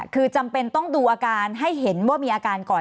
คือจำเป็นต้องดูอาการให้เห็นว่ามีอาการก่อน